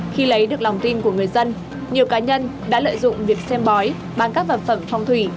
khi lấy được lòng tin của người dân nhiều cá nhân đã lợi dụng việc xem bói bằng các vật phẩm phong thủy